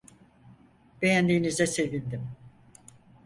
Beğendiğinize sevindim.